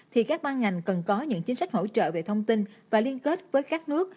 thì các ban ngành cần có những chính sách hỗ trợ về thông tin và liên kết với các nước